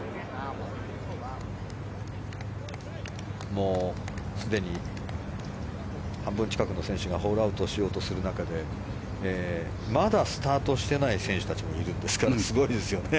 もうすでに半分近くの選手がホールアウトしようとする中でまだスタートしてない選手たちもいるんですからすごいですよね。